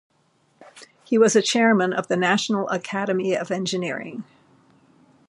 He was a chairman of the National Academy of Engineering.